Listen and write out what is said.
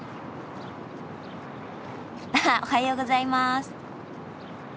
あはっおはようございます。